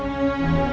aku mau pulang